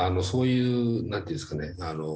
そういうなんていうんですかね